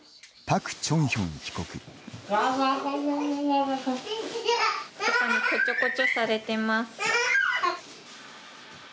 パパにこちょこちょされてます。